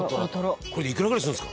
「これでいくらぐらいするんですか？」